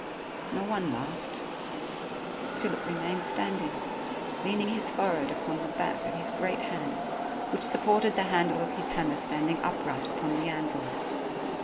No one laughed. Philip remained standing, leaning his forehead upon the back of his great hands, which supported the handle of his hammer standing upright upon the anvil.